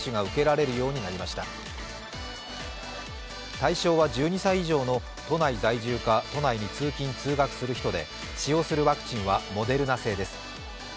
対象は１１歳以上の都内に在住か都内に通勤・通学する人で、使用するワクチンはモデルナ製です。